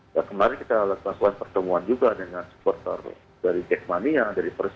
dan kemarin kita lakukan pertemuan juga dengan supporter dari jackmania dari persija